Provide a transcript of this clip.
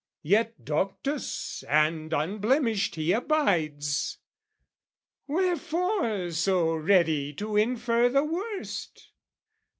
Yet doctus and unblemished he abides. Wherefore so ready to infer the worst?